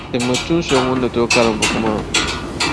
Timmi tuun’ so ŋun ni tooi karim buku maa.